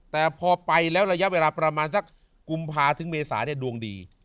แต่พอไปแล้วระยะเวลาประมาณสักกุมภาถึงเมษาเนี่ยดวงดี